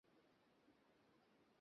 কেউ চারে দর ধরবেন?